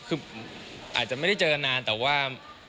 คืออาจจะไม่ได้เจอนานแต่ว่า